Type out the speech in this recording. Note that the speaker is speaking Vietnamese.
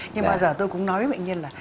nhưng bao giờ tôi cũng nói với bệnh nhân là